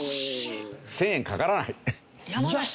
１０００円かからない。